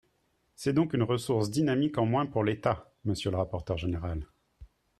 C’est donc une ressource dynamique en moins pour l’État, monsieur le rapporteur général